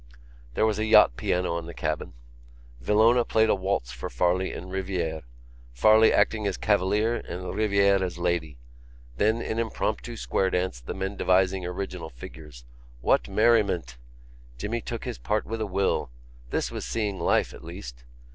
There was a yacht piano in the cabin. Villona played a waltz for Farley and Rivière, Farley acting as cavalier and Rivière as lady. Then an impromptu square dance, the men devising original figures. What merriment! Jimmy took his part with a will; this was seeing life, at least.